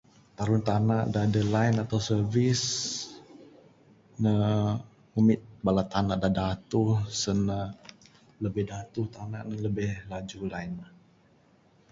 Tarun tana da adeh line ato service ne ngumit bala tana da datuh sen ne lebih datuh tana ne lebih laju line ne